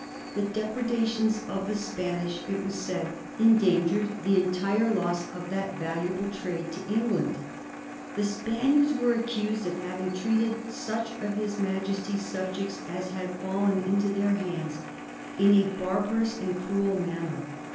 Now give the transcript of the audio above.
The depredations of the Spanish, it was said, endangered the entire loss of that valu able trade to England. The Spaniards were accused of having treated such of his Majesty's subjects as had fallen into their hands in a barbarous and cruel manner.